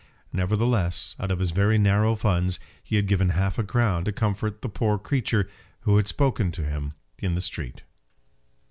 Nevertheless, out of his very narrow funds he had given half a crown to comfort the poor creature who had spoken to him in the street.